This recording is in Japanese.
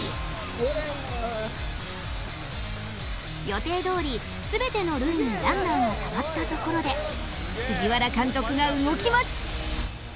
予定どおり全ての塁にランナーがたまったところで藤原監督が動きます。